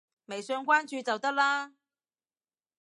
微信關注就得啦